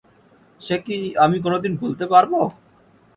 সে কি আমি কোনোদিন ভুলতে পারব!